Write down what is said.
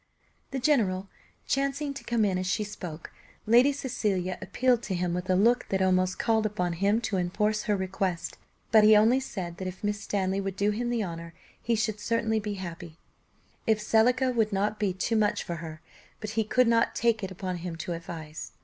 The general chancing to come in as she spoke, Lady Cecilia appealed to him with a look that almost called upon him to enforce her request; but he only said that if Miss Stanley would do him the honour, he should certainly be happy, if Zelica would not be too much for her; but he could not take it upon him to advise.